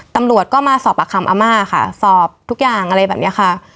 ตำรวจก็มาสอบปากคำอาม่าค่ะสอบทุกอย่างอะไรแบบนี้ค่ะ